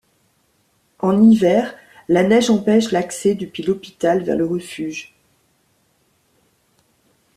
En hiver, la neige empêche l'accès depuis l'hospital vers le refuge.